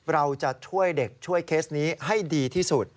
เราจะช่วยเด็กช่วยเคสนี้ให้ดีที่สุด